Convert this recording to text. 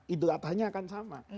idul atahnya akan sama